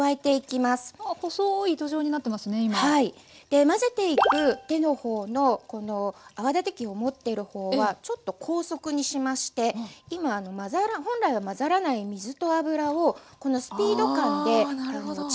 で混ぜていく手の方の泡立て器を持っている方はちょっと高速にしまして今本来は混ざらない水と油をこのスピード感で力ずくでですね。